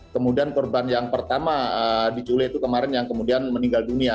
kemudian korban yang pertama diculik itu kemarin yang kemudian meninggal dunia